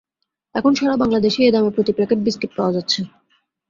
এখন সারা বাংলাদেশে এ দামে প্রতি প্যাকেট বিস্কুট পাওয়া যাচ্ছে।